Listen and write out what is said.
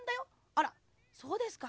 あらそうですか。